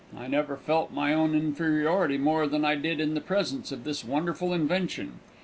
I never felt my own inferiority any more than I did in the presence of this wonderful invention.